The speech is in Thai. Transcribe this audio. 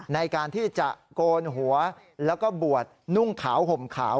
ในการที่จะโกนหัวแล้วก็บวชนุ่งขาวห่มขาว